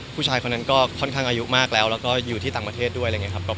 ผู้ชายคนนั้นก็ค่อนข้างอายุมากแล้วแล้วก็อยู่ที่ต่างประเทศด้วยอะไรอย่างนี้ครับ